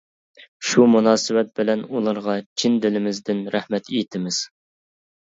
شۇ مۇناسىۋەت بىلەن ئۇلارغا چىن دىلىمىزدىن رەھمەت ئېيتىمىز.